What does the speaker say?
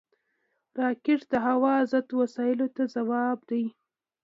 راکټ د هوا ضد وسلو ته ځواب دی